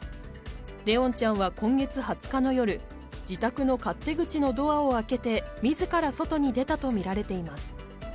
怜音ちゃんは今月２０日の夜、自宅の勝手口のドアを開けて自ら外に出たとみられています。